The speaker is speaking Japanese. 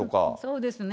そうですね。